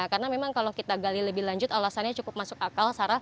karena memang kalau kita gali lebih lanjut alasannya cukup masuk akal